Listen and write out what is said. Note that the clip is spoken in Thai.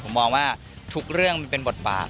ผมมองว่าทุกเรื่องมันเป็นบทบาท